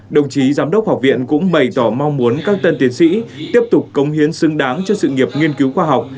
đồng chí giám đốc học viện cũng bày tỏ mong muốn các tân tiến sĩ tiếp tục công hiến xứng đáng cho sự nghiệp nghiên cứu khoa học